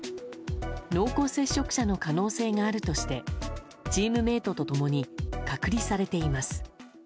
濃厚接触者の可能性があるとしてチームメートと共に隔離されています。